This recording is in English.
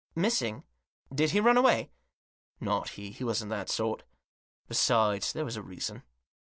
" Missing ? Did he run away ?"" Not he ; he wasn't that sort. Besides, there was no reason.